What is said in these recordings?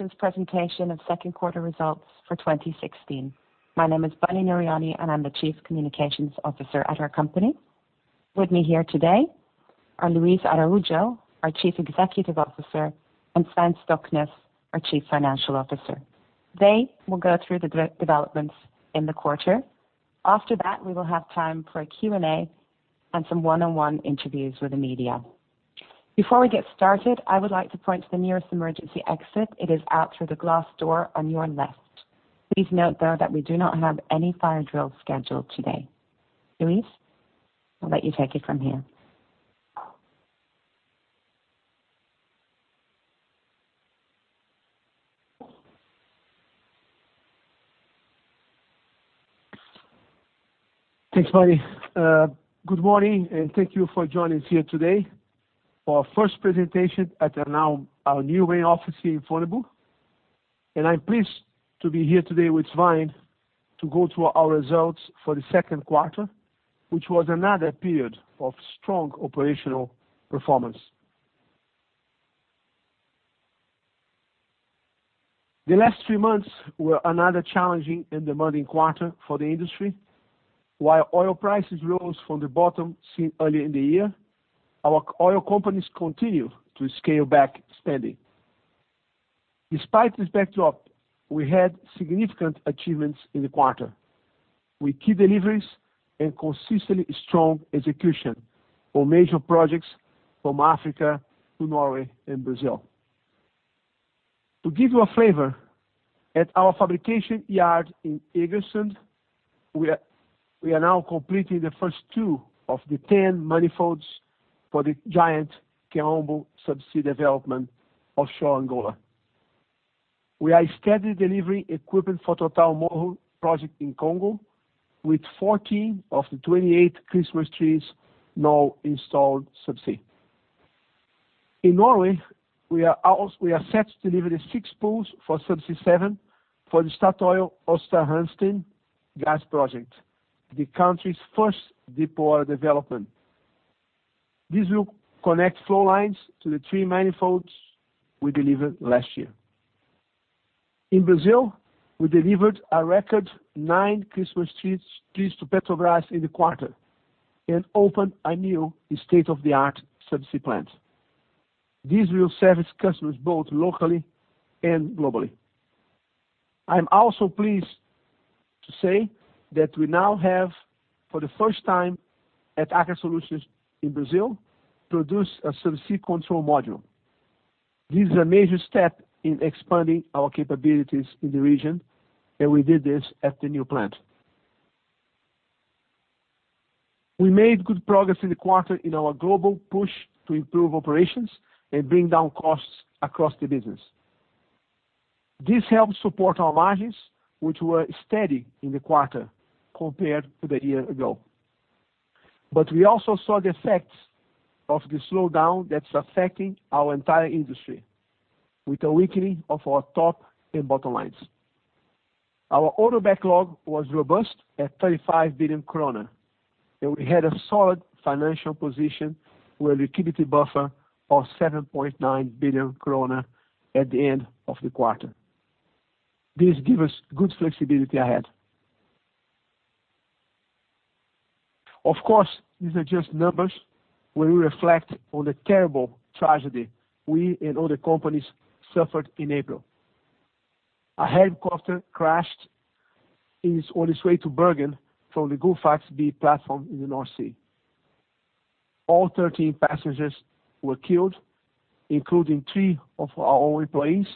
-tions presentation of second quarter results for 2016. My name is Bunny Nooryani, and I'm the Chief Communications Officer at our company. With me here today are Luis Araujo, our Chief Executive Officer, and Svein Stoknes, our Chief Financial Officer. They will go through the developments in the quarter. After that, we will have time for a Q&A and some one-on-one interviews with the media. Before we get started, I would like to point to the nearest emergency exit. It is out through the glass door on your left. Please note, though, that we do not have any fire drill scheduled today. Luis, I'll let you take it from here. Thanks, Bunny. Thank you for joining us here today for our first presentation at our now, our new main office here in Fornebu. I'm pleased to be here today with Svein to go through our results for the second quarter, which was another period of strong operational performance. The last three months were another challenging and demanding quarter for the industry. While oil prices rose from the bottom seen early in the year, our oil companies continue to scale back spending. Despite this backdrop, we had significant achievements in the quarter with key deliveries and consistently strong execution on major projects from Africa to Norway and Brazil. To give you a flavor, at our fabrication yard in Egersund, we are now completing the first two of the 10 manifolds for the giant Kaombo subsea development offshore Angola. We are steady delivering equipment for Total Moho Nord project in Congo, with 14 of the 28 Christmas trees now installed subsea. In Norway, we are set to deliver the six pools for Subsea 7 for the Statoil Aasta Hansteen gas project, the country's first deepwater development. This will connect flow lines to the three manifolds we delivered last year. In Brazil, we delivered a record nine Christmas trees to Petrobras in the quarter and opened a new state-of-the-art subsea plant. This will service customers both locally and globally. I am also pleased to say that we now have, for the first time at Aker Solutions in Brazil, produced a subsea control module. This is a major step in expanding our capabilities in the region, we did this at the new plant. We made good progress in the quarter in our global push to improve operations and bring down costs across the business. This helped support our margins, which were steady in the quarter compared to the year ago. We also saw the effects of the slowdown that's affecting our entire industry with a weakening of our top and bottom lines. Our order backlog was robust at 35 billion kroner, and we had a solid financial position with liquidity buffer of 7.9 billion krone at the end of the quarter. This give us good flexibility ahead. Of course, these are just numbers where we reflect on the terrible tragedy we and other companies suffered in April. A helicopter crashed on its way to Bergen from the Gullfaks B platform in the North Sea. All 13 passengers were killed, including three of our own employees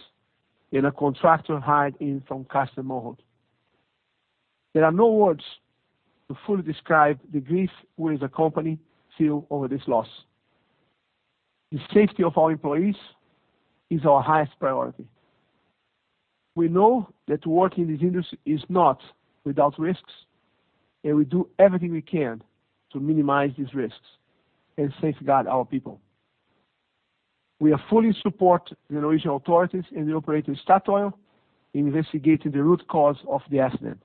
and a contractor hired in from Castem Ohud. There are no words to fully describe the grief we as a company feel over this loss. The safety of our employees is our highest priority. We know that to work in this industry is not without risks, and we do everything we can to minimize these risks and safeguard our people. We are fully support the Norwegian authorities and the operator, Statoil, in investigating the root cause of the accident.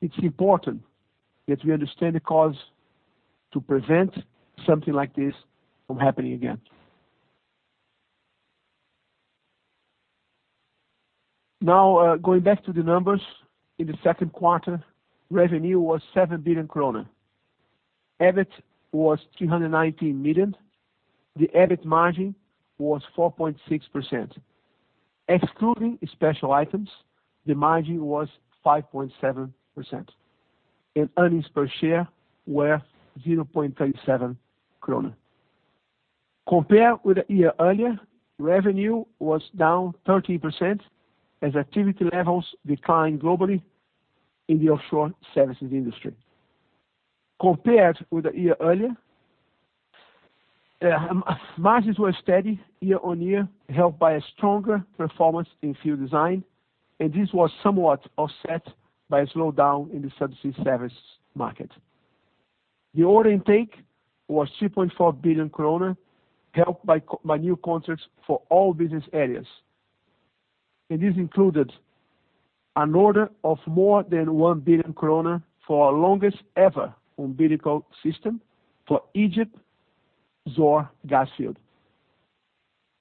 It's important that we understand the cause to prevent something like this from happening again. Going back to the numbers. In the second quarter, revenue was 7 billion krone. EBIT was 319 million. The EBIT margin was 4.6%. Excluding special items, the margin was 5.7%, and earnings per share were 0.37 kroner. Compared with a year earlier, revenue was down 13% as activity levels declined globally in the offshore services industry. Compared with a year earlier, margins were steady year on year, helped by a stronger performance in field design, and this was somewhat offset by a slowdown in the subsea service market. The order intake was 3.4 billion kroner, helped by new contracts for all business areas. This included an order of more than 1 billion kroner for our longest ever umbilical system for Egypt's Zohr gas field.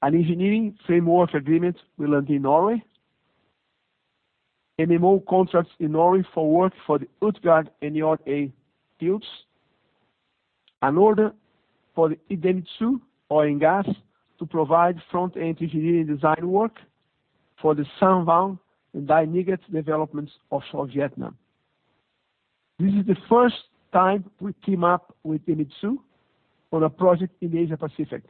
An engineering framework agreement we learned in Norway. MO contracts in Norway for work for the Utgard and York A fields. An order for the Idemitsu Oil and Gas to provide Front-End Engineering Design work for the Sao Vang and Dai Nguyet developments offshore Vietnam. This is the first time we team up with Idemitsu on a project in the Asia Pacific.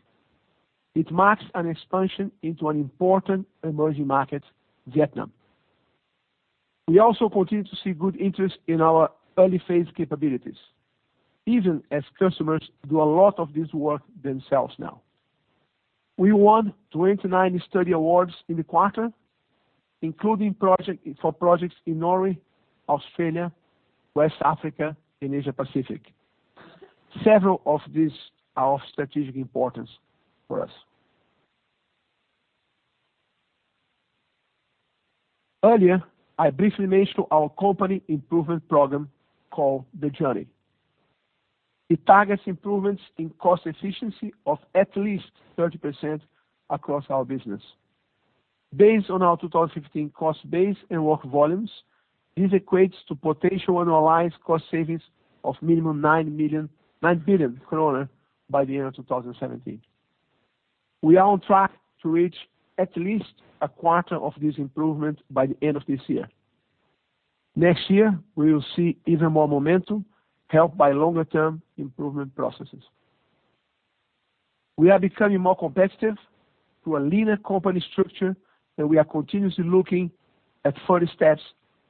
It marks an expansion into an important emerging market, Vietnam. We also continue to see good interest in our early phase capabilities, even as customers do a lot of this work themselves now. We won 29 study awards in the quarter, including for projects in Norway, Australia, West Africa and Asia Pacific. Several of these are of strategic importance for us. Earlier, I briefly mentioned our company improvement program called The Journey. It targets improvements in cost efficiency of at least 30% across our business. Based on our 2015 cost base and work volumes, this equates to potential annualized cost savings of minimum 9 billion kroner by the end of 2017. We are on track to reach at least a quarter of this improvement by the end of this year. Next year, we will see even more momentum helped by longer-term improvement processes. We are becoming more competitive through a leaner company structure, and we are continuously looking at further steps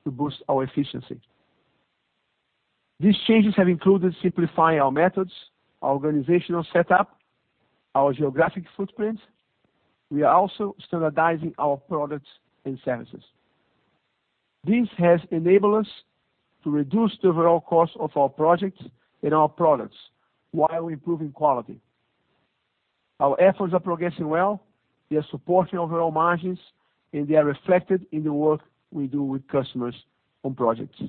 to boost our efficiency. These changes have included simplifying our methods, our organizational setup, our geographic footprint. We are also standardizing our products and services. This has enabled us to reduce the overall cost of our projects and our products while improving quality. Our efforts are progressing well. They are supporting overall margins, and they are reflected in the work we do with customers on projects.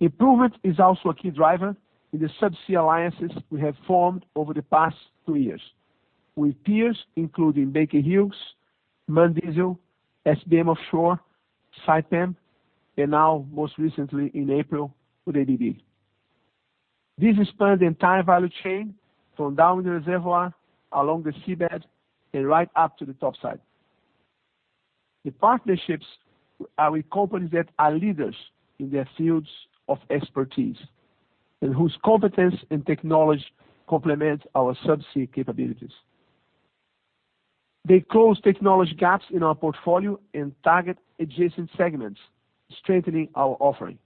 Improvement is also a key driver in the subsea alliances we have formed over the past two years with peers including Baker Hughes, MAN Diesel, SBM Offshore, Saipem, and now most recently in April with ABB. This spans the entire value chain from down the reservoir, along the seabed and right up to the topside. The partnerships are with companies that are leaders in their fields of expertise and whose competence and technology complement our subsea capabilities. They close technology gaps in our portfolio and target adjacent segments, strengthening our offering.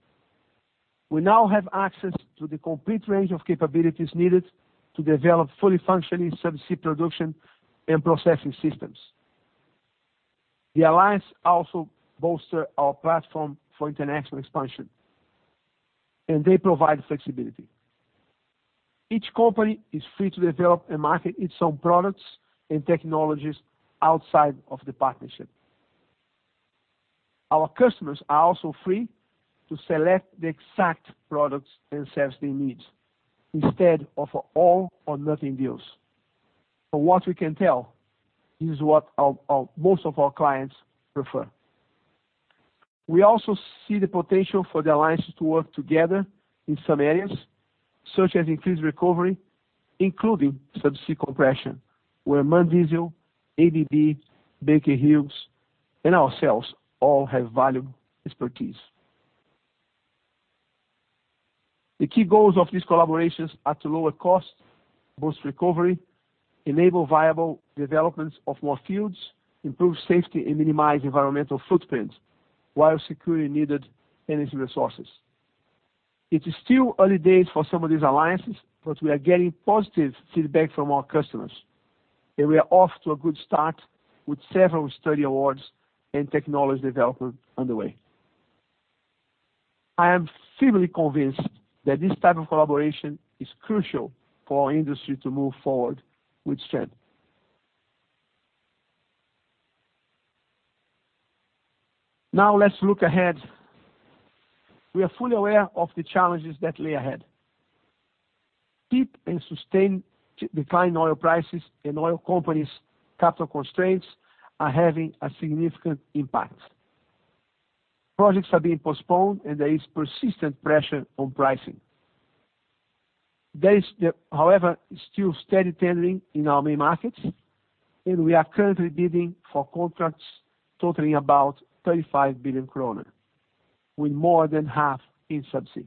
We now have access to the complete range of capabilities needed to develop fully functioning subsea production and processing systems. The alliance also bolster our platform for international expansion, and they provide flexibility. Each company is free to develop and market its own products and technologies outside of the partnership. Our customers are also free to select the exact products and services they need instead of all-or-nothing deals. From what we can tell, this is what most of our clients prefer. We also see the potential for the alliances to work together in some areas, such as increased recovery, including subsea compression, where MAN Diesel, ABB, Baker Hughes and ourselves all have valuable expertise. The key goals of these collaborations are to lower costs, boost recovery, enable viable development of more fields, improve safety and minimize environmental footprint while securing needed energy resources. It is still early days for some of these alliances. We are getting positive feedback from our customers. We are off to a good start with several study awards and technology development underway. I am firmly convinced that this type of collaboration is crucial for our industry to move forward with strength. Now let's look ahead. We are fully aware of the challenges that lay ahead. Steep and sustained decline in oil prices and oil companies' capital constraints are having a significant impact. Projects are being postponed and there is persistent pressure on pricing. There is, however, still steady tendering in our main markets, and we are currently bidding for contracts totaling about 35 billion kroner, with more than half in subsea.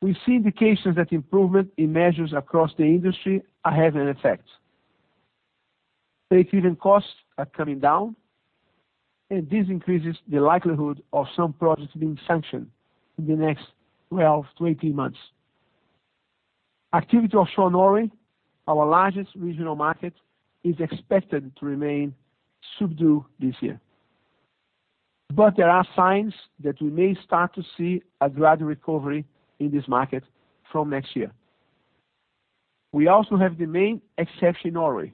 We see indications that improvement in measures across the industry are having an effect. Break-even costs are coming down and this increases the likelihood of some projects being sanctioned in the next 12 to 18 months. Activity offshore Norway, our largest regional market, is expected to remain subdued this year. There are signs that we may start to see a gradual recovery in this market from next year. We also have the main exception already,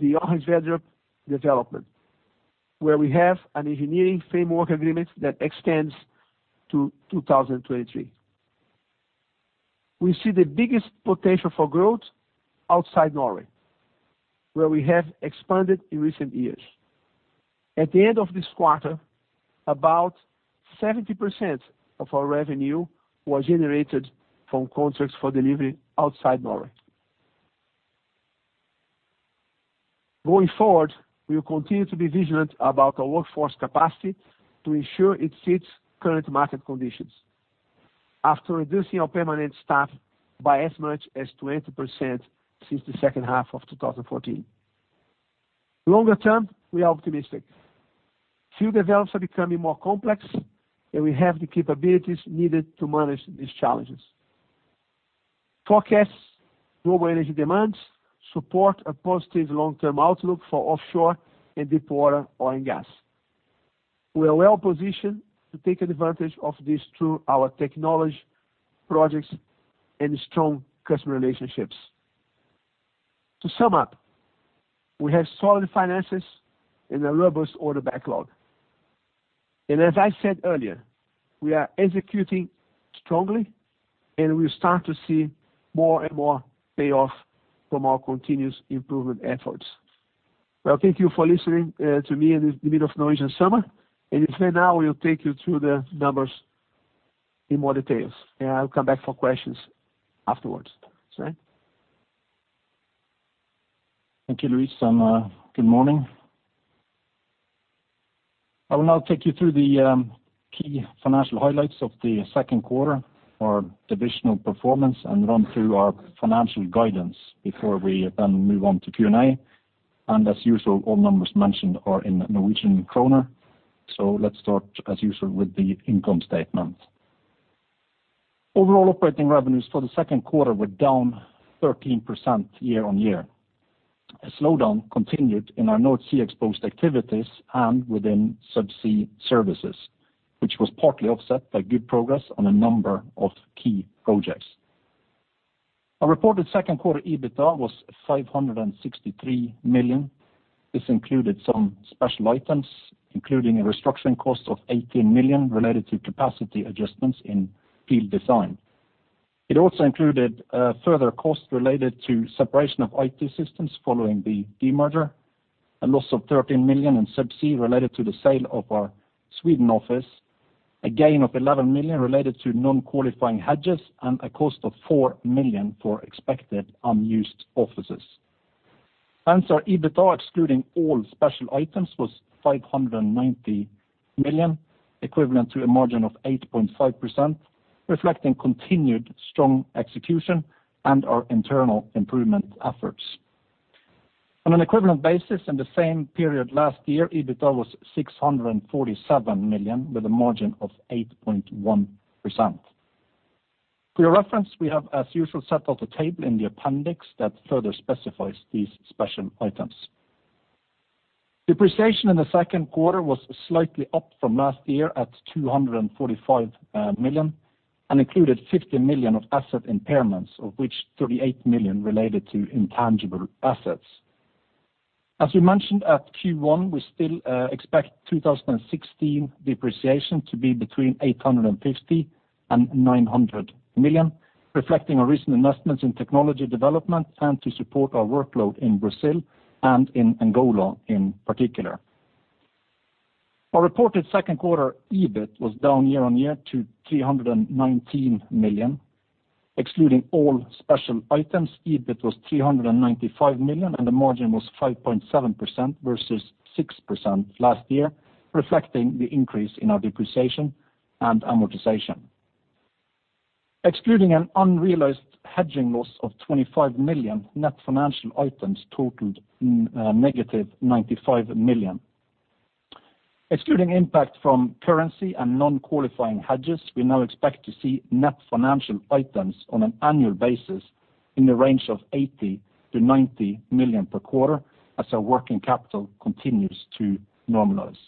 the [Orange Vedre] development, where we have an engineering framework agreement that extends to 2023. We see the biggest potential for growth outside Norway, where we have expanded in recent years. At the end of this quarter, about 70% of our revenue was generated from contracts for delivery outside Norway. Going forward, we will continue to be vigilant about our workforce capacity to ensure it fits current market conditions after reducing our permanent staff by as much as 20% since the second half of 2014. Longer term, we are optimistic. Field develops are becoming more complex, and we have the capabilities needed to manage these challenges. Forecast global energy demands support a positive long-term outlook for offshore and deepwater oil and gas. We are well positioned to take advantage of this through our technology, projects, and strong customer relationships. To sum up, we have solid finances and a robust order backlog. As I said earlier, we are executing strongly, and we start to see more and more payoff from our continuous improvement efforts. Well, thank you for listening to me in the middle of Norwegian summer. Svein now will take you through the numbers in more details, and I'll come back for questions afterwards. Svein? Thank you, Luis, good morning. I will now take you through the key financial highlights of the second quarter, our divisional performance, and run through our financial guidance before we then move on to Q&A. As usual, all numbers mentioned are in Norwegian kroner. Let's start, as usual, with the income statement. Overall operating revenues for the second quarter were down 13% year-on-year. A slowdown continued in our North Sea exposed activities and within subsea services, which was partly offset by good progress on a number of key projects. Our reported second quarter EBITA was 563 million. This included some special items, including a restructuring cost of 18 million related to capacity adjustments in field design. It also included further costs related to separation of IT systems following the demerger, a loss of 13 million in subsea related to the sale of our Sweden office, a gain of 11 million related to non-qualifying hedges, and a cost of 4 million for expected unused offices. Our EBITA, excluding all special items, was 590 million, equivalent to a margin of 8.5%, reflecting continued strong execution and our internal improvement efforts. On an equivalent basis in the same period last year, EBITA was 647 million, with a margin of 8.1%. For your reference, we have, as usual, set out a table in the appendix that further specifies these special items. Depreciation in the second quarter was slightly up from last year at 245 million and included 50 million of asset impairments, of which 38 million related to intangible assets. As we mentioned at Q1, we still expect 2016 depreciation to be between 850 million-900 million, reflecting our recent investments in technology development and to support our workload in Brazil and in Angola in particular. Our reported second quarter EBIT was down year-on-year to 319 million. Excluding all special items, EBIT was 395 million, and the margin was 5.7% versus 6% last year, reflecting the increase in our depreciation and amortization. Excluding an unrealized hedging loss of 25 million, net financial items totaled negative 95 million. Excluding impact from currency and non-qualifying hedges, we now expect to see net financial items on an annual basis in the range of 80 million-90 million per quarter as our working capital continues to normalize.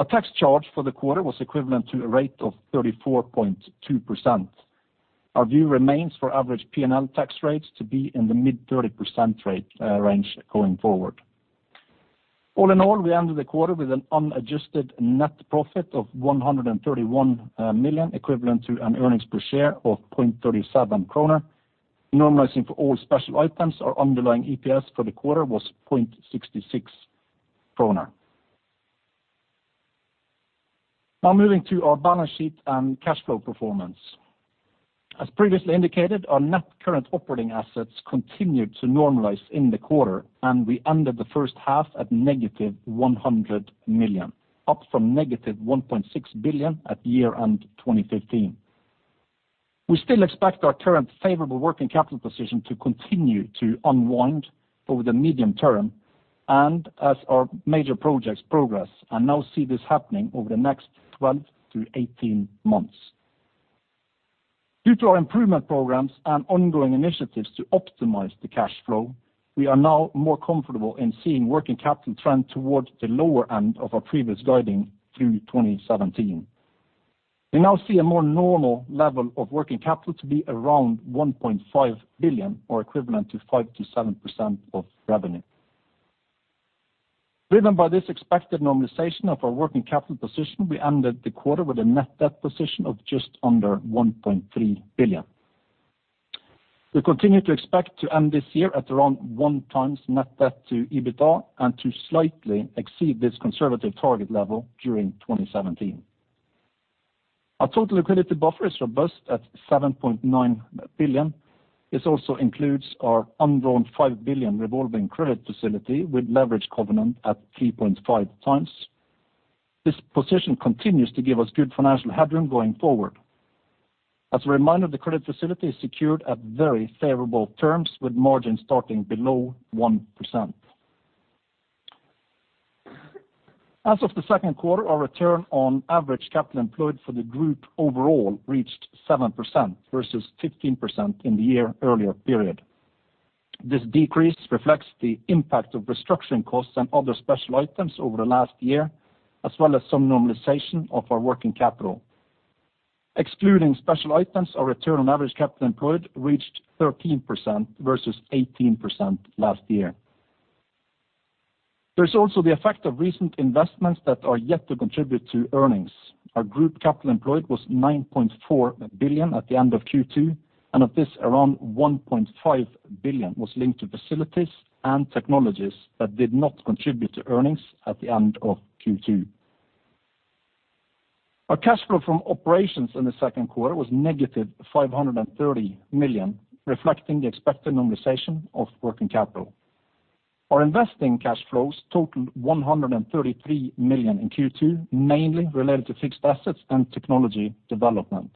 Our tax charge for the quarter was equivalent to a rate of 34.2%. Our view remains for average P&L tax rates to be in the mid-30% rate range going forward. All in all, we ended the quarter with an unadjusted net profit of 131 million, equivalent to an earnings per share of 0.37 kroner. Normalizing for all special items, our underlying EPS for the quarter was 0.66 kroner. Now moving to our balance sheet and cash flow performance. As previously indicated, our net current operating assets continued to normalize in the quarter, and we ended the first half at negative 100 million, up from negative 1.6 billion at year-end 2015. We still expect our current favorable working capital position to continue to unwind over the medium term and as our major projects progress, and now see this happening over the next 12 to 18 months. Due to our improvement programs and ongoing initiatives to optimize the cash flow, we are now more comfortable in seeing working capital trend towards the lower end of our previous guiding through 2017. We now see a more normal level of working capital to be around 1.5 billion or equivalent to 5% to 7% of revenue. Driven by this expected normalization of our working capital position, we ended the quarter with a net debt position of just under 1.3 billion. We continue to expect to end this year at around 1 times net debt to EBITDA and to slightly exceed this conservative target level during 2017. Our total liquidity buffer is robust at 7.9 billion. This also includes our undrawn 5 billion revolving credit facility with leverage covenant at 3.5x. This position continues to give us good financial headroom going forward. As a reminder, the credit facility is secured at very favorable terms, with margins starting below 1%. As of the second quarter, our return on average capital employed for the group overall reached 7% versus 15% in the year-earlier period. This decrease reflects the impact of restructuring costs and other special items over the last year, as well as some normalization of our working capital. Excluding special items, our return on average capital employed reached 13% versus 18% last year. There's also the effect of recent investments that are yet to contribute to earnings. Our group capital employed was 9.4 billion at the end of Q2, and of this, around 1.5 billion was linked to facilities and technologies that did not contribute to earnings at the end of Q2. Our cash flow from operations in the second quarter was negative 530 million, reflecting the expected normalization of working capital. Our investing cash flows totaled 133 million in Q2, mainly related to fixed assets and technology development.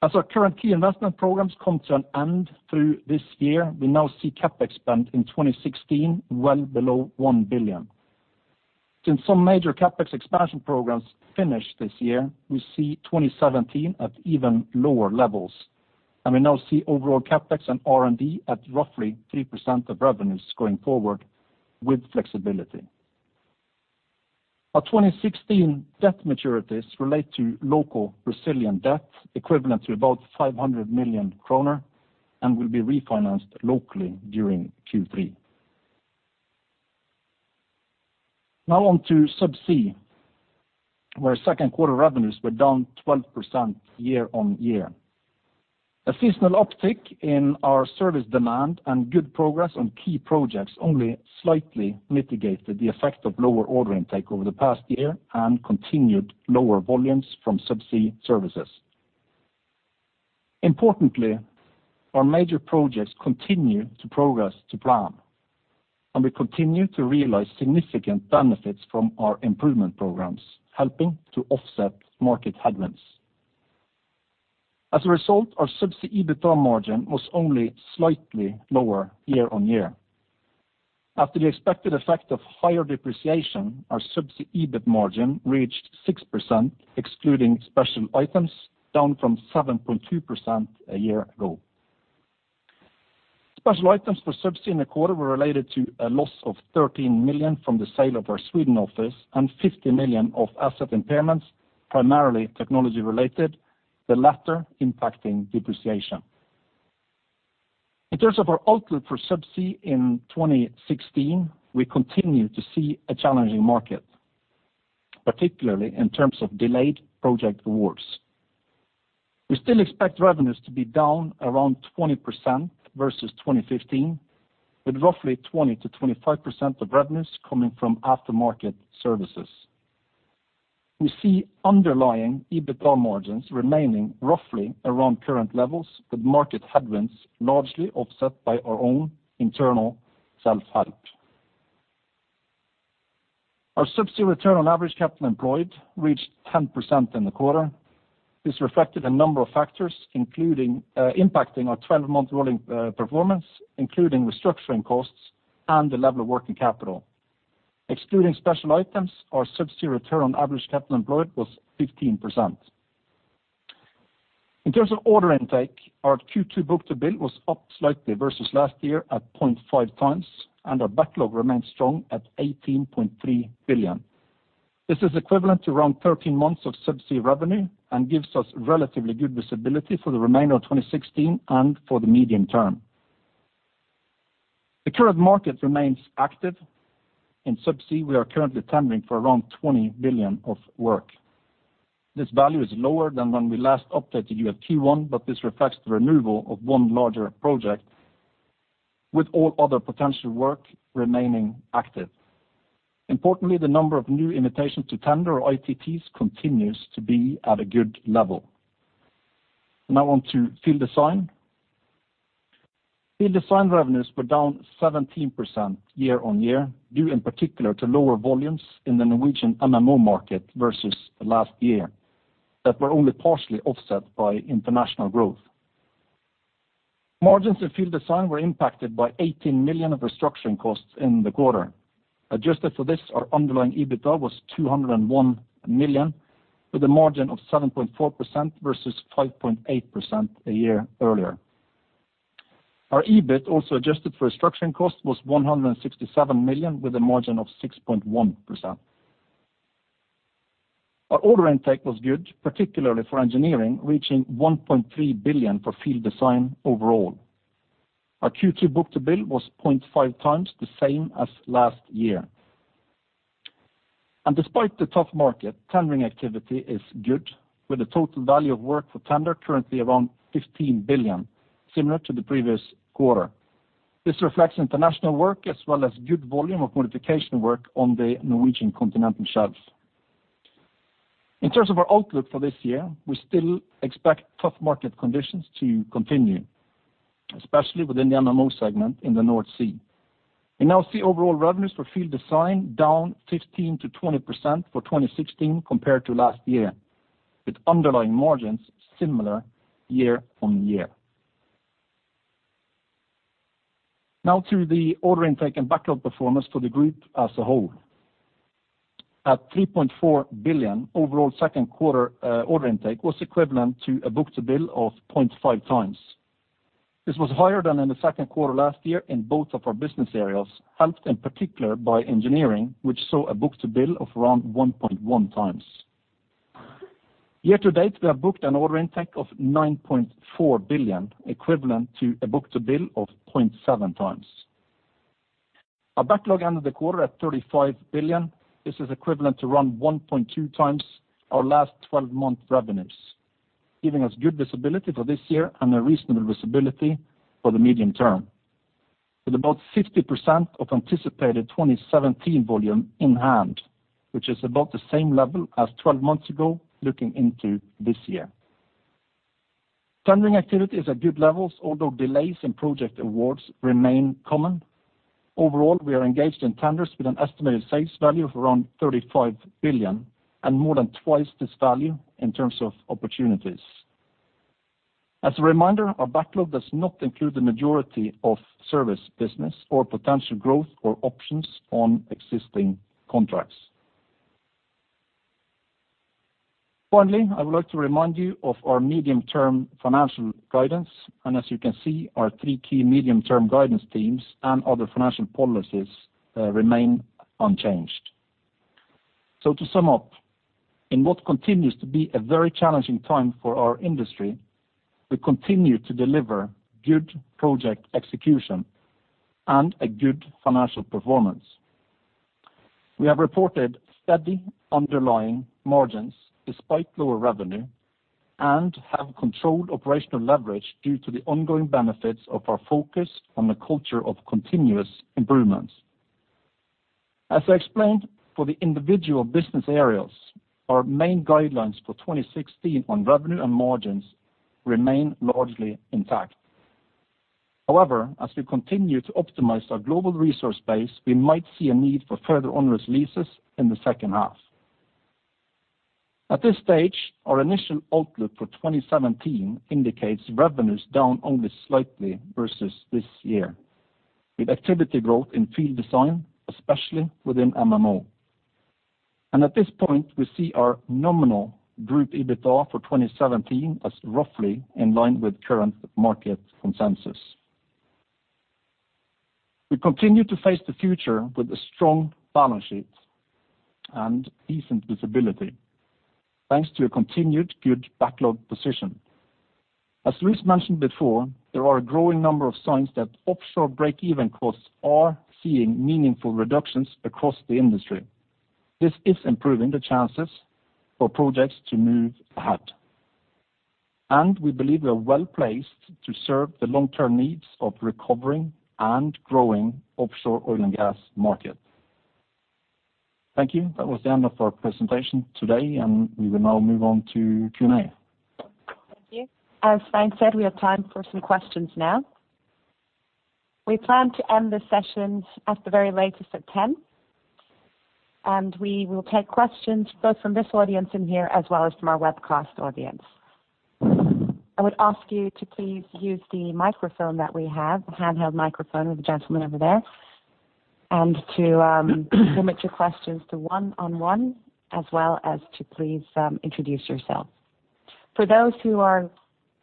As our current key investment programs come to an end through this year, we now see CapEx spend in 2016 well below 1 billion. Since some major CapEx expansion programs finished this year, we see 2017 at even lower levels. We now see overall CapEx and R&D at roughly 3% of revenues going forward with flexibility. Our 2016 debt maturities relate to local resilient debt equivalent to about 500 million kroner and will be refinanced locally during Q3. Now on to Subsea, where second quarter revenues were down 12% year-over-year. A seasonal uptick in our service demand and good progress on key projects only slightly mitigated the effect of lower order intake over the past year and continued lower volumes from Subsea services. Importantly, our major projects continue to progress to plan, and we continue to realize significant benefits from our improvement programs, helping to offset market headwinds. As a result, our Subsea EBITDA margin was only slightly lower year-on-year. After the expected effect of higher depreciation, our Subsea EBIT margin reached 6%, excluding special items, down from 7.2% a year ago. Special items for Subsea in the quarter were related to a loss of 13 million from the sale of our Sweden office and 50 million of asset impairments, primarily technology-related, the latter impacting depreciation. In terms of our outlook for Subsea in 2016, we continue to see a challenging market, particularly in terms of delayed project awards. We still expect revenues to be down around 20% versus 2015, with roughly 20%-25% of revenues coming from after-market services. We see underlying EBITDA margins remaining roughly around current levels, with market headwinds largely offset by our own internal self-help. Our Subsea return on average capital employed reached 10% in the quarter. This reflected a number of factors, including impacting our 12-month rolling performance, including restructuring costs and the level of working capital. Excluding special items, our Subsea return on average capital employed was 15%. In terms of order intake, our Q2 book-to-bill was up slightly versus last year at 0.5x, and our backlog remains strong at 18.3 billion. This is equivalent to around 13 months of Subsea revenue and gives us relatively good visibility for the remainder of 2016 and for the medium term. The current market remains active. In Subsea, we are currently tendering for around 20 billion of work. This value is lower than when we last updated you at Q1, but this reflects the removal of one larger project, with all other potential work remaining active. Importantly, the number of new invitations to tender, or ITTs, continues to be at a good level. Now on to Field Design. Field Design revenues were down 17% year-on-year, due in particular to lower volumes in the Norwegian MMO market versus the last year, that were only partially offset by international growth. Margins in Field Design were impacted by 18 million of restructuring costs in the quarter. Adjusted for this, our underlying EBITDA was 201 million, with a margin of 7.4% versus 5.8% a year earlier. Our EBIT, also adjusted for restructuring cost, was 167 million with a margin of 6.1%. Our order intake was good, particularly for engineering, reaching 1.3 billion for field design overall. Our Q2 book-to-bill was 0.5x the same as last year. Despite the tough market, tendering activity is good, with a total value of work for tender currently around 15 billion, similar to the previous quarter. This reflects international work as well as good volume of modification work on the Norwegian continental shelves. In terms of our outlook for this year, we still expect tough market conditions to continue, especially within the MMO segment in the North Sea. We now see overall revenues for field design down 15%-20% for 2016 compared to last year, with underlying margins similar year-on-year. To the order intake and backlog performance for the group as a whole. At 3.4 billion, overall second quarter order intake was equivalent to a book-to-bill of 0.5x. This was higher than in the second quarter last year in both of our business areas, helped in particular by engineering, which saw a book-to-bill of around 1.1x. Year to date, we have booked an order intake of 9.4 billion, equivalent to a book-to-bill of 0.7x. Our backlog ended the quarter at 35 billion. This is equivalent to around 1.2x our last twelve-month revenues, giving us good visibility for this year and a reasonable visibility for the medium term. With about 50% of anticipated 2017 volume in hand, which is about the same level as twelve months ago looking into this year. Tendering activity is at good levels, although delays in project awards remain common. Overall, we are engaged in tenders with an estimated sales value of around 35 billion and more than twice this value in terms of opportunities. As a reminder, our backlog does not include the majority of service business or potential growth or options on existing contracts. Finally, I would like to remind you of our medium-term financial guidance. As you can see, our three key medium-term guidance themes and other financial policies remain unchanged. To sum up, in what continues to be a very challenging time for our industry, we continue to deliver good project execution and a good financial performance. We have reported steady underlying margins despite lower revenue and have controlled operational leverage due to the ongoing benefits of our focus on the culture of continuous improvements. As I explained for the individual business areas, our main guidelines for 2016 on revenue and margins remain largely intact. However, as we continue to optimize our global resource base, we might see a need for further onerous leases in the second half. At this stage, our initial outlook for 2017 indicates revenues down only slightly versus this year, with activity growth in field design, especially within MMO. At this point, we see our nominal group EBITDA for 2017 as roughly in line with current market consensus. We continue to face the future with a strong balance sheet and decent visibility, thanks to a continued good backlog position. As Luis mentioned before, there are a growing number of signs that offshore break-even costs are seeing meaningful reductions across the industry. This is improving the chances for projects to move ahead. We believe we are well placed to serve the long-term needs of recovering and growing offshore oil and gas market. Thank you. That was the end of our presentation today. We will now move on to Q&A. Thank you. As Svein said, we have time for some questions now. We plan to end the session at the very latest at 10. We will take questions both from this audience in here as well as from our webcast audience. I would ask you to please use the microphone that we have, the handheld microphone with the gentleman over there, and to limit your questions to one-on-one as well as to please introduce yourself. For those who are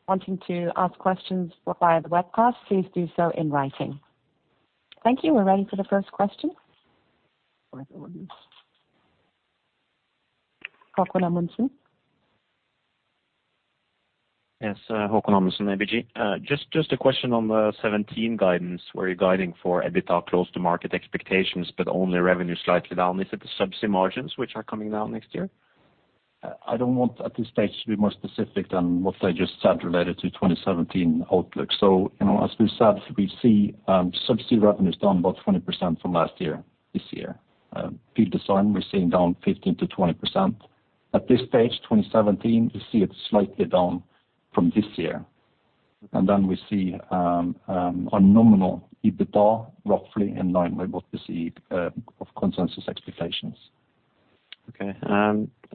wanting to ask questions via the webcast, please do so in writing. Thank you. We're ready for the first question. Haakon Amundsen? Yes, Haakon Amundsen, ABG. Just a question on the 2017 guidance, where you're guiding for EBITDA close to market expectations, but only revenue slightly down. Is it the subsea margins which are coming down next year? I don't want at this stage to be more specific than what I just said related to 2017 outlook. You know, as we said, we see subsea revenues down about 20% from last year, this year. Field design, we're seeing down 15%-20%. At this stage, 2017, we see it slightly down from this year. We see our nominal EBITDA roughly in line with what we see of consensus expectations. Okay.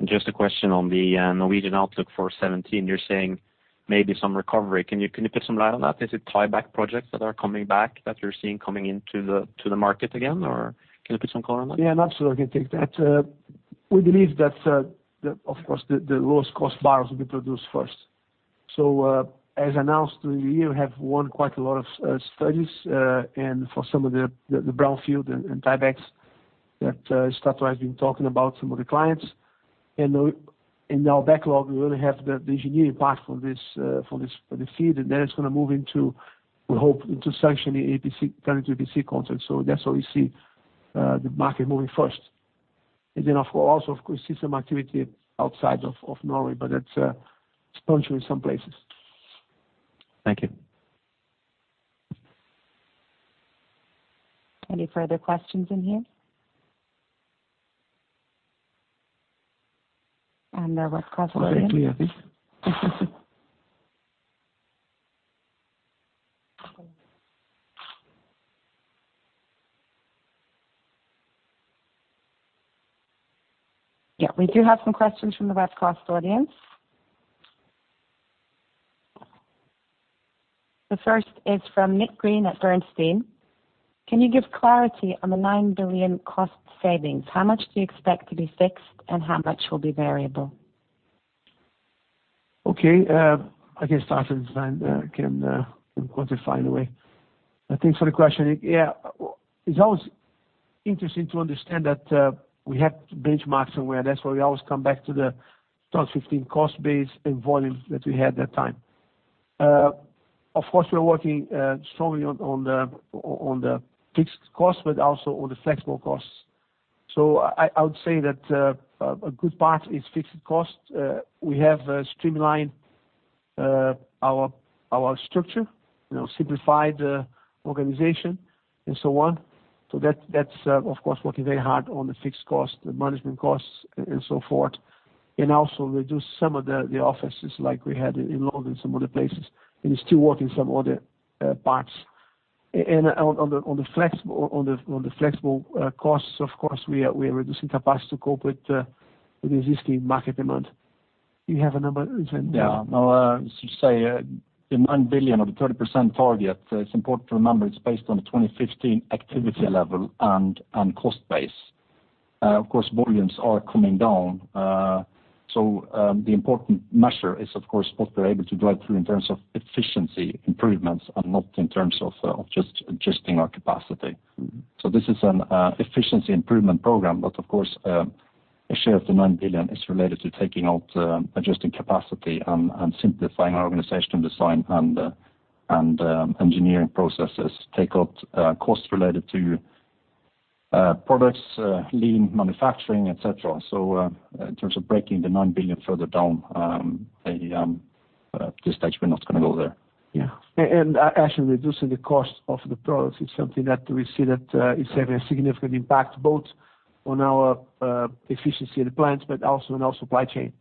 Just a question on the Norwegian outlook for 2017. You're saying maybe some recovery. Can you put some light on that? Is it tieback projects that are coming back that you're seeing coming into the market again? Or can you put some color on that? Yeah, absolutely, I can take that. We believe that, of course, the lowest cost barrels will be produced first. As announced during the year, we have won quite a lot of studies and for some of the brownfield and tiebacks that Statoil has been talking about, some of the clients. In our backlog, we only have the engineering part for this FEED, and then it's gonna move into, we hope, into sectioning APC, current APC content. That's where we see the market moving first. Of course, also of course see some activity outside of Norway, but that's, it's puncture in some places. Thank you. Any further questions in here? There were questions in... [inaudible] Yeah, we do have some questions from the West Coast audience. The first is from Nicholas Green at Bernstein. Can you give clarity on the 9 billion cost savings? How much do you expect to be fixed, and how much will be variable? Okay, I can start and Svein can quantify in a way. Thanks for the question. Yeah, it's always interesting to understand that we have benchmarks and where that's where we always come back to the 2015 cost base and volumes that we had that time. Of course, we are working strongly on the fixed costs, but also on the flexible costs. I would say that a good part is fixed costs. We have streamlined our structure. You know, simplified the organization and so on. That's, that's, of course, working very hard on the fixed costs, the management costs and so forth. Also reduce some of the offices like we had in London and some other places, and is still working some other parts. On the flexible costs, of course, we are reducing capacity to cope with existing market demand. Do you have a number, Svein? Yeah. No, as you say, the 9 billion or the 30% target, it's important to remember it's based on the 2015 activity level and cost base. Of course, volumes are coming down. The important measure is of course what we're able to drive through in terms of efficiency improvements and not in terms of just adjusting our capacity. Mm-hmm. This is an efficiency improvement program, but of course, a share of the 9 billion is related to taking out, adjusting capacity and simplifying our organizational design and engineering processes. Take out costs related to products, lean manufacturing, et cetera. In terms of breaking the 9 billion further down, at this stage, we're not gonna go there. Yeah. Actually reducing the cost of the products is something that we see that is having a significant impact, both on our efficiency at the plants but also on our supply chain.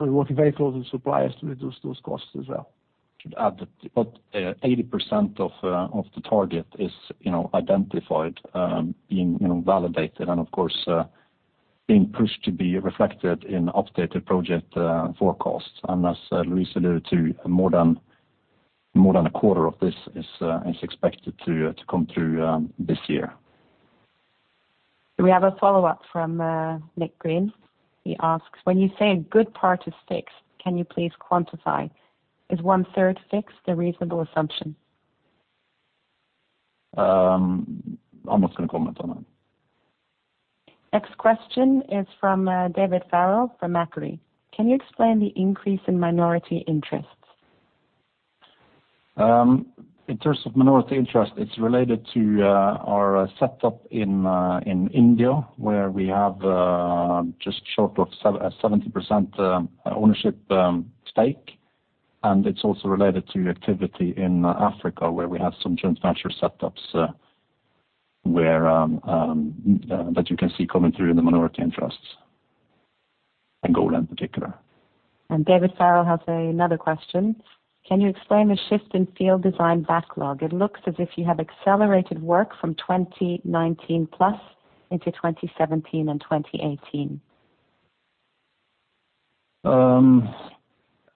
We're working very close with suppliers to reduce those costs as well. To add that about 80% of the target is, you know, identified, being, you know, validated and of course, being pushed to be reflected in updated project forecasts. As Luis alluded to, more than a quarter of this is expected to come through this year. We have a follow-up from Nicholas Green. He asks: when you say a good part is fixed, can you please quantify? Is one-third fixed a reasonable assumption? I'm not gonna comment on that. Next question is from David Farrell from Macquarie. Can you explain the increase in minority interests? In terms of minority interest, it's related to our setup in India, where we have just short of 70% ownership stake. It's also related to activity in Africa, where we have some joint venture setups, where that you can see coming through in the minority interests. Angola in particular. David Farrell has another question. Can you explain the shift in field design backlog? It looks as if you have accelerated work from 2019+ into 2017 and 2018.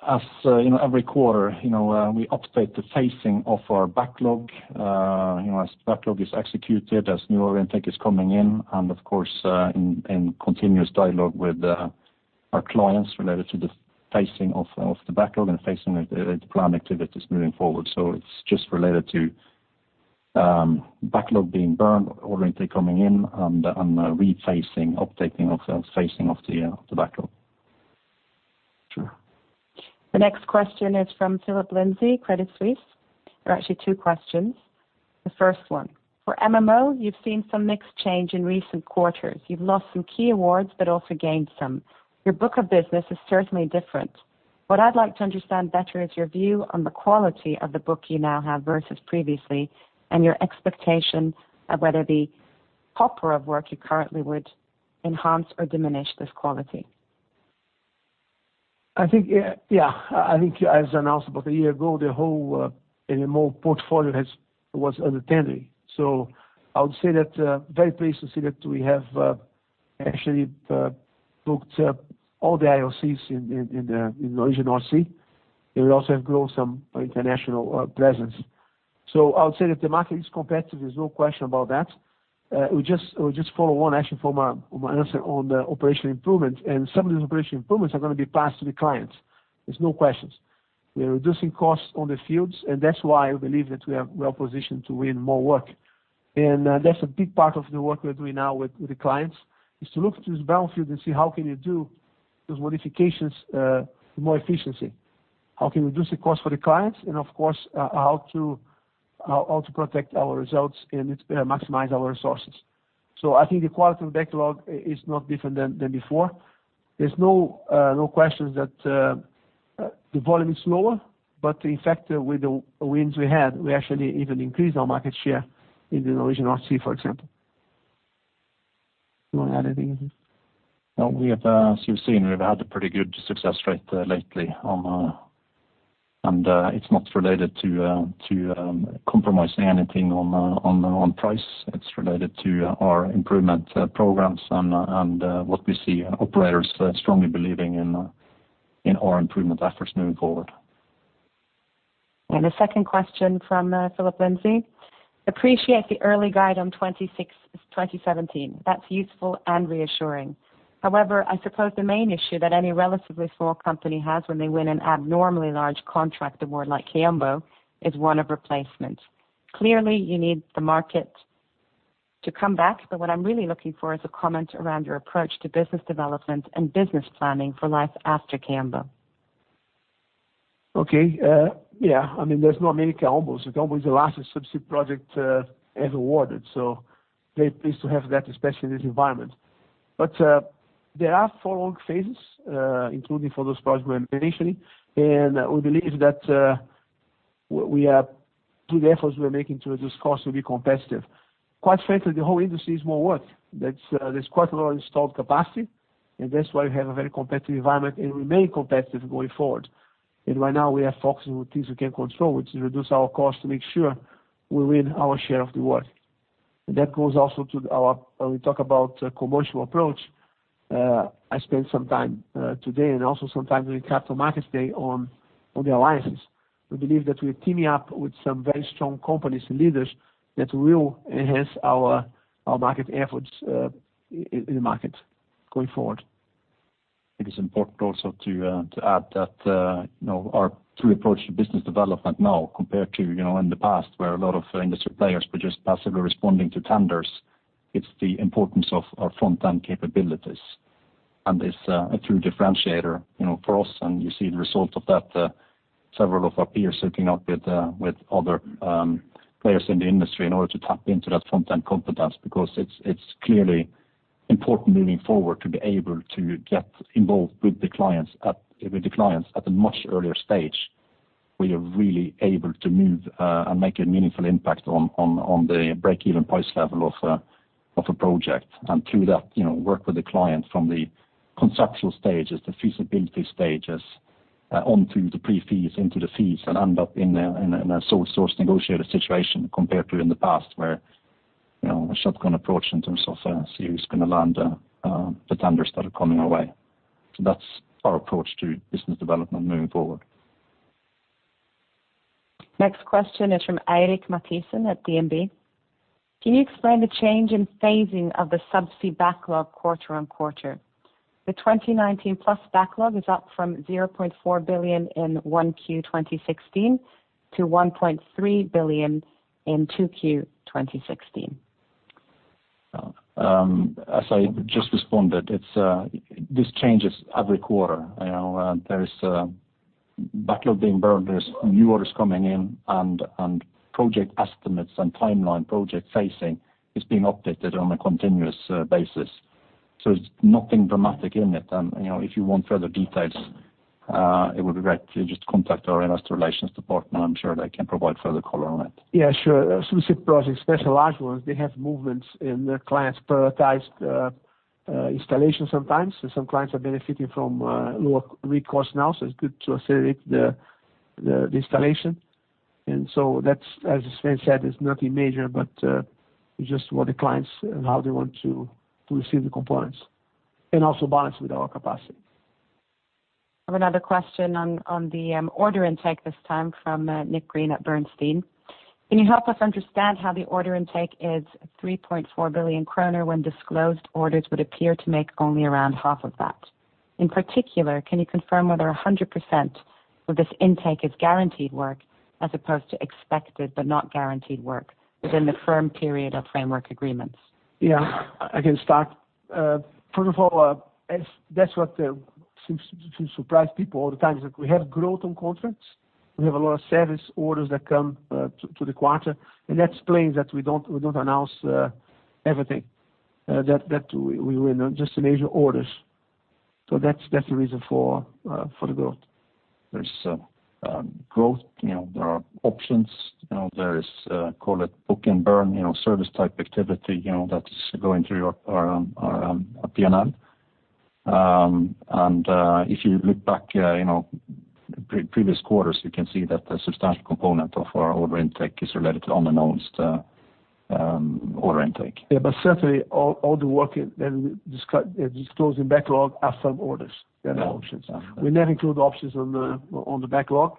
As, you know, every quarter, you know, we update the phasing of our backlog. You know, as backlog is executed, as new intake is coming in, and of course, in continuous dialogue with, our clients related to the phasing of the backlog and phasing the planned activities moving forward. It's just related to, backlog being burned or intake coming in and rephasing, updating of the phasing of the backlog. Sure. The next question is from Philip Lindsay, Credit Suisse. There are actually two questions. The first one: For MMO, you've seen some mixed change in recent quarters. You've lost some key awards but also gained some. Your book of business is certainly different. What I'd like to understand better is your view on the quality of the book you now have versus previously, and your expectation of whether the copper of work you currently would enhance or diminish this quality. I think, yeah. As announced about a year ago, the whole in the more portfolio was under tendering. I would say that very pleased to see that we have actually booked all the IOCs in the Norwegian Sea. It will also grow some international presence. I would say that the market is competitive, there's no question about that. We just follow one action from our, from our answer on the operational improvements, and some of these operational improvements are gonna be passed to the clients. There's no questions. We're reducing costs on the fields, and that's why I believe that we are well-positioned to win more work. That's a big part of the work we're doing now with the clients, is to look through this balance sheet and see how can you do those modifications, more efficiency. How can you reduce the cost for the clients, and of course, how to, how to protect our results and maximize our resources. I think the quality of backlog is not different than before. There's no questions that, the volume is lower, but in fact with the wins we had, we actually even increased our market share in the Norwegian Sea, for example. Do you wanna add anything? No. We have, as you've seen, we've had a pretty good success rate lately on. It's not related to compromising anything on price. It's related to our improvement programs and what we see operators strongly believing in our improvement efforts moving forward. The second question from Philip Lindsay: Appreciate the early guide on 2017. That's useful and reassuring. However, I suppose the main issue that any relatively small company has when they win an abnormally large contract award like Kaombo is one of replacement. Clearly, you need the market to come back, but what I'm really looking for is a comment around your approach to business development and business planning for life after Kaombo. Okay. Yeah. I mean, there's no many Kaombos. Kaombo is the largest subsea project ever awarded. Very pleased to have that, especially in this environment. There are follow-on phases, including for those projects we won initially. We believe that, through the efforts we are making to reduce costs to be competitive. Quite frankly, the whole industry is more work. There's quite a lot of installed capacity, and that's why we have a very competitive environment and remain competitive going forward. Right now we are focusing on things we can control, which is reduce our cost to make sure we win our share of the work. That goes also to when we talk about commercial approach, I spent some time today and also some time during Capital Markets Day on the alliances. We believe that we're teaming up with some very strong companies and leaders that will enhance our market efforts in the market going forward. It is important also to to add that, you know, our true approach to business development now compared to, you know, in the past where a lot of industry players were just passively responding to tenders, it's the importance of our front-end capabilities. It's a true differentiator, you know, for us, and you see the result of that, several of our peers hooking up with with other players in the industry in order to tap into that front-end competence because it's clearly important moving forward to be able to get involved with the clients at a much earlier stage where you're really able to move and make a meaningful impact on the break-even price level of a project. Through that, you know, work with the client from the conceptual stages, the feasibility stages, onto the pre-fees into the fees, and end up in a sole source negotiated situation compared to in the past where, you know, a shotgun approach in terms of see who's gonna land the tenders that are coming our way. That's our approach to business development moving forward. Next question is from Eirik Mathisen at DNB: Can you explain the change in phasing of the subsea backlog quarter-on-quarter? The 2019 plus backlog is up from 0.4 billion in 1Q 2016 to 1.3 billion in 2Q 2016. As I just responded, it's, this changes every quarter. You know, there is backlog being burned, there's new orders coming in, and project estimates and timeline project phasing is being updated on a continuous, basis. It's nothing dramatic in it. You know, if you want further details, it would be great to just contact our investor relations department. I'm sure they can provide further color on it. Yeah, sure. Subsea projects, especially large ones, they have movements in the clients' prioritized installation sometimes. Some clients are benefiting from lower rate costs now, so it's good to accelerate the installation. That's, as Svein said, it's nothing major but just what the clients and how they want to receive the components and also balance with our capacity. I have another question on the order intake this time from Nicholas Green at Bernstein: Can you help us understand how the order intake is 3.4 billion kroner when disclosed orders would appear to make only around half of that? In particular, can you confirm whether 100% of this intake is guaranteed work as opposed to expected but not guaranteed work within the firm period of framework agreements? Yeah. I can start. First of all, as that's what, seems to surprise people all the time is that we have growth on contracts. We have a lot of service orders that come to the quarter. That explains that we don't announce everything. That we win, just the major orders. That's the reason for the growth. There's growth, there are options, there is call it book and burn service type activity, that's going through our P&L. If you look back pre-previous quarters, you can see that a substantial component of our order intake is related to unannounced order intake. Yeah. Certainly all the work that we disclosing backlog are firm orders. They're not options. We never include options on the backlog.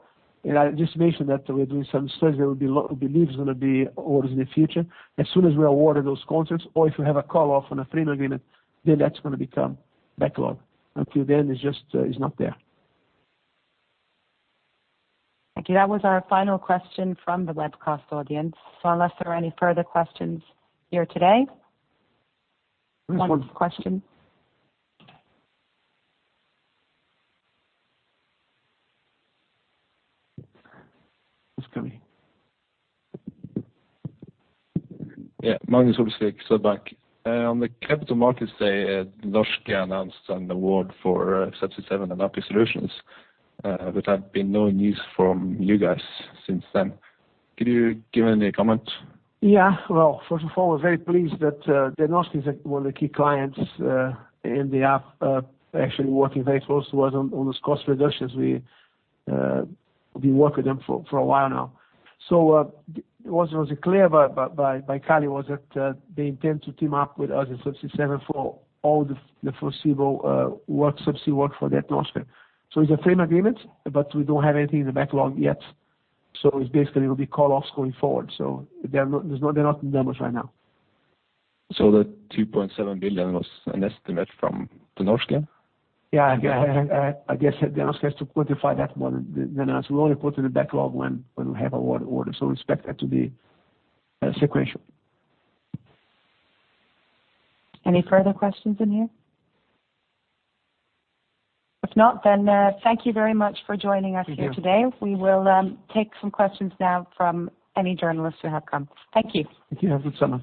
I just mentioned that we're doing some studies there will be we believe is gonna be orders in the future. As soon as we award those contracts or if you have a call off on a framework agreement, that's gonna become backlog. Until then, it's just, it's not there. Thank you. That was our final question from the webcast audience. Unless there are any further questions here today. One question. Who's calling? Magnus Olsvik, Swedbank. On the capital Det Norske announced an award for Subsea 7 and Aker Solutions. There have been no news from you guys since then. Could you give any comment? Well, first of all, we're very Det Norske is, like, one of the key clients, in the app, actually working very close to us on those cost reductions. We work with them for a while now. What was clear by Kali was that they intend to team up with us in Subsea 7 for all the foreseeable subsea work for the atmosphere. It's a framework agreement, but we don't have anything in the backlog yet. It's basically it'll be call offs going forward. They're not in the numbers right now. The 2.7 billion was an estimate from Det Norske? Yeah. Yeah. I guess the Norske has to quantify that one. Then as we only put in the backlog when we have award orders, we expect that to be sequential. Any further questions in here? If not, thank you very much for joining us here today. Thank you. We will take some questions now from any journalists who have come. Thank you. Thank you. Have a good summer.